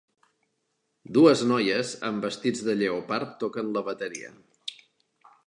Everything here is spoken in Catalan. Dues noies amb vestits de lleopard toquen la bateria.